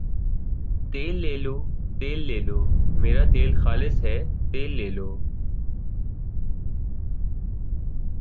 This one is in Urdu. تیل لے لو ، تیل لے لو میرا تیل خالص ھے تیل لے لو تیل لے لو یہ آ